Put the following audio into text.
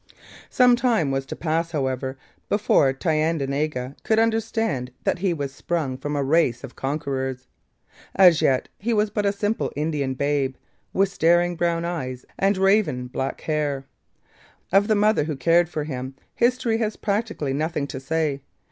Some time was to pass, however, before Thayendanegea could understand that he was sprung from a race of conquerors. As yet he was but a simple Indian babe, with staring brown eyes and raven black hair. Of the mother who cared for him history has practically nothing to say.